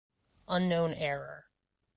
Unknown error.